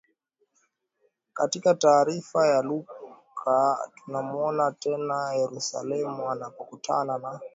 Katika taarifa ya Luka tunamwona tena Yerusalemu alipokutana na